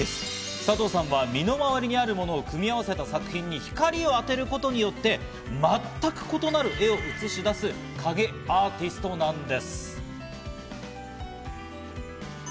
佐藤さんは、身の回りにあるものを組み合わせた作品に光を当てることによって、全く異なる絵を写し出す、影絵アーティストなんです。